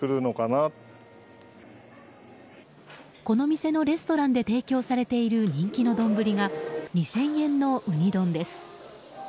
この店のレストランで提供されている人気の丼が２０００円のウニ丼です。